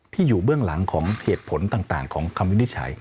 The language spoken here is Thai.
อยู่เบื้องหลังของเหตุผลต่างของคำวินิจฉัย